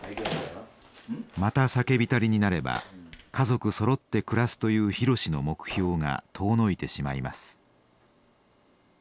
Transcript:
また酒浸りになれば「家族そろって暮らす」という博の目標が遠のいてしまいます。